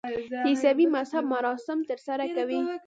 د عیسوي مذهب مراسم ترسره کوي.